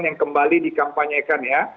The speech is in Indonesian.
yang kembali dikampanyekan ya